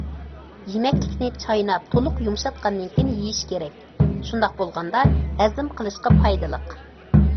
يېمەكلىكنى چايناپ تولۇق يۇمشاتقاندىن كېيىن يېيىش كېرەك، شۇنداق بولغاندا، ھەزىم قىلىشقا پايدىلىق.